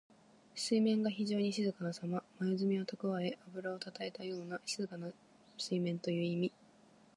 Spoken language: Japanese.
水面が非情に静かなさま。まゆずみをたくわえ、あぶらをたたえたような静かな水面という意味。